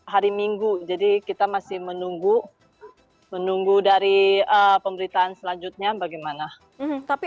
hari minggu jadi kita masih menunggu menunggu dari pemberitaan selanjutnya bagaimana tapi